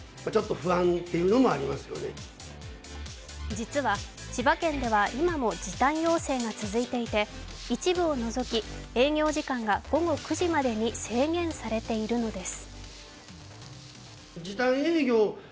実は千葉県では今も時短要請が続いていて、一部を除き、営業時間が午後９時までに制限されているのです。